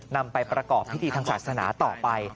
นำไปประกอบพิธีทางศาสนาต่อไป